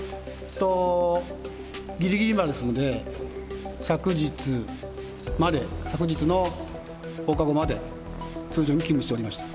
ぎりぎりまでですので、昨日まで、昨日の放課後まで通常に勤務しておりました。